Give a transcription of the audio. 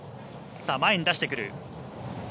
前に出してくる。